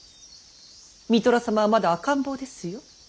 三寅様はまだ赤ん坊ですよ。